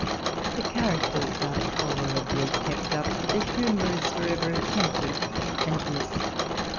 Tiie characters are tolerably kept up, but the huuujur is for ever attempted and missed.